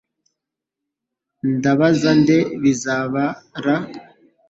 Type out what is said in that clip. Ndabaza nde Bizaba la